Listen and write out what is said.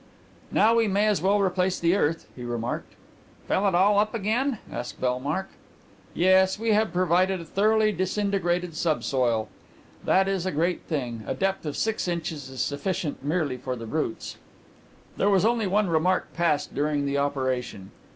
"Now we may as well replace the earth," he remarked. "Fill it all up again?" asked Bellmark. "Yes; we have provided a thoroughly disintegrated subsoil. That is the great thing. A depth of six inches is sufficient merely for the roots." There was only one remark passed during the operation.